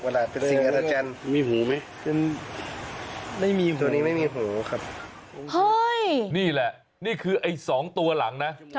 ไม่มีหูตัวนี้ไม่มีหูครับเฮ้ยนี่แหละนี่คือไอ้สองตัวหลังนะ